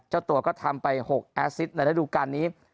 เจ้าตัวก็ทำไป๖แอสซิตในระดูการนี้